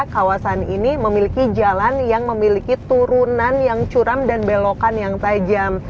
kawasan ini memiliki jalan yang memiliki turunan yang curam dan belokan yang tajam